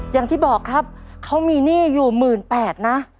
อย่างที่บอกครับเขามีหนี้อยู่๑๘๐๐นะ